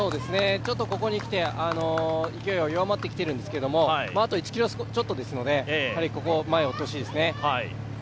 ここにきて勢いは弱まってきているんですけどあと１ｋｍちょっとですので、前を追ってほしいですね。